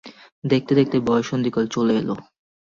দেখতে দেখতে বয়ঃসন্ধিকাল চলে এলো।